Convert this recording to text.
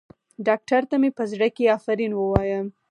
ډاکتر ته مې په زړه کښې افرين ووايه.